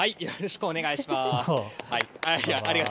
よろしくお願いします。